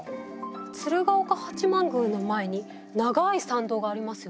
鶴岡八幡宮の前に長い参道がありますよね。